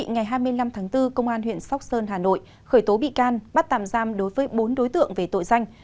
ngày hai mươi năm tháng bốn công an huyện sóc sơn hà nội khởi tố bị can bắt tạm giam đối với bốn đối tượng về tội danh